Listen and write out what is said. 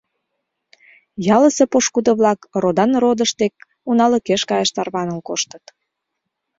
Ялысе пошкудо-влак родан-родышт дек уналыкеш каяш тарваныл коштыт.